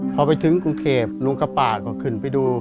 พอไปถึงกรุงเทพนุ้นกระปะก็ขึ้นไปดู